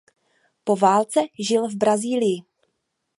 Po válce žil v Brazílii.